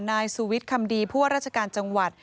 นายสูวิตคำดีพวกราชการจังหวัด